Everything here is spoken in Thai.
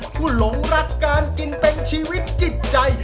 หลงรักการกินเป็นชีวิตจิตใจ